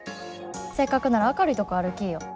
せっかくなら明るいとこ歩きいよ。